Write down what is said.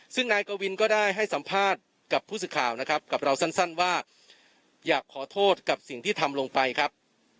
ซึ่งนายกวินก็ได้ให้สัมภาษณ์กับผู้สื่อข่าวนะครับกับเราสั้นว่าอยากขอโทษกับสิ่งที่ทำลงไปครับ